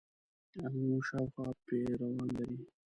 آمو شاوخوا پیروان لري.